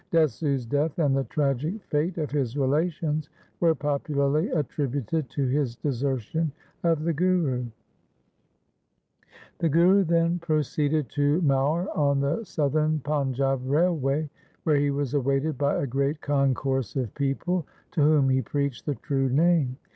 Desu's death and the tragic fate of his relations were popularly attributed to his desertion of the Guru. The Guru then proceeded to Maur on the Southern Panjab Railway, where he was awaited by a great concourse of people to whom he preached the true Name.